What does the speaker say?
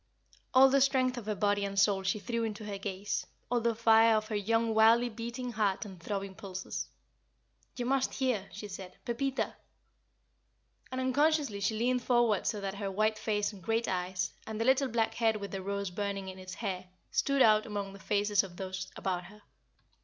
All the strength of her body and soul she threw into her gaze all the fire of her young wildly beating heart and throbbing pulses. "You must hear," she said. "Pepita! Pepita!" And unconsciously she leaned forward so that her white face and great eyes, and the little black head with the rose burning in its hair, stood out among the faces of those about her.